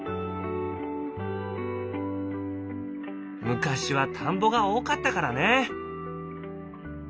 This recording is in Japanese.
昔は田んぼが多かったからね。